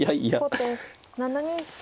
後手７二飛車。